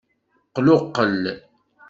Qluqqel.